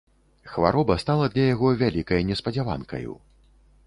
Хвароба стала для яго вялікай неспадзяванкаю.